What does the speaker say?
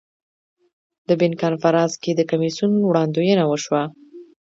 د بن کنفرانس کې د کمیسیون وړاندوینه وشوه.